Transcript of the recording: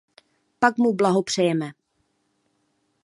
Pak mu blahopřejeme.